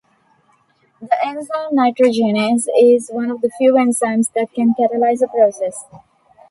The enzyme nitrogenase is one of the few enzymes that can catalyze the process.